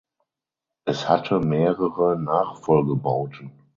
Es hatte mehrere Nachfolgebauten.